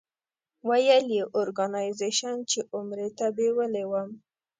ویل یې اورګنایزیش چې عمرې ته بېولې وم.